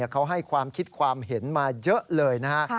เขาให้ความคิดความเห็นมาเยอะเลยนะฮะ